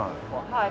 はい。